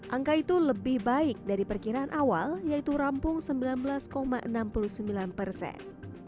angka itu lebih baik dari perkiraan awal yaitu rampung sembilan belas enam puluh sembilan persen